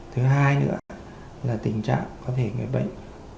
thứ hai nữa là tình trạng có thể người bệnh